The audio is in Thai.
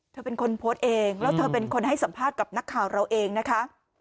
เธอเป็นคนโพสต์เองแล้วเธอเป็นคนให้สัมภาษณ์กับนักข่าวเราเองนะคะ